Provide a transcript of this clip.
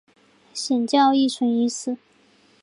显教亦存此义。